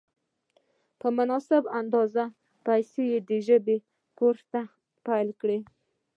په مناسبه اندازه پیسو یې د ژبې کورس راته پېل کړ.